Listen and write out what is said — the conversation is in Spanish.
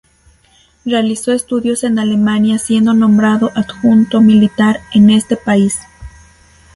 Realizó estudios en Alemania siendo nombrado adjunto militar en ese país.